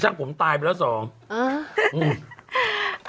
ช่างผมตายไปแล้ว๒